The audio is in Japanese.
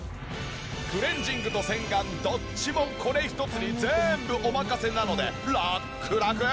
クレンジングと洗顔どっちもこれ一つに全部お任せなのでラックラク！